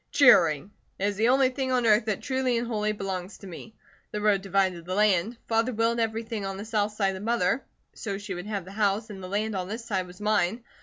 "Cheering! It is the only thing on earth that truly and wholly belongs to me. The road divided the land. Father willed everything on the south side to Mother, so she would have the house, and the land on this side was mine.